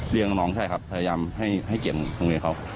เลี่ยงคุณน้องใช่ครับพยายามให้เห็นตัวเครื่องเรียนเค้า